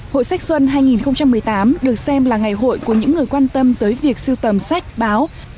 hội sách xuân hai nghìn một mươi tám được xem là ngày hội của những người quan tâm tới việc siêu tầm sách báo